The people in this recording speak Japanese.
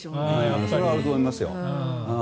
それはあると思いますよ。